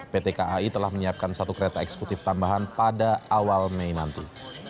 pt kai telah menyiapkan satu kereta eksekutif tambahan pada awal mei nanti